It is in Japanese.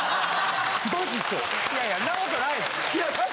いやいやんな事ないよ。